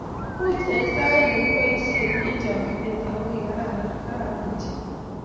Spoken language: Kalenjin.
Moch eng sait ni keboisie enh chokchinee ako kikararan kararan ochei.